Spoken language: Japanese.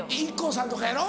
ＩＫＫＯさんとかやろ？